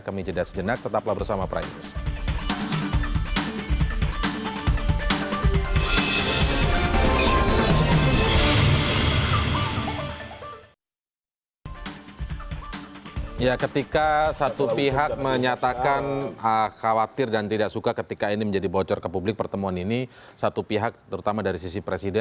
kami jeddah sejenak tetaplah bersama praises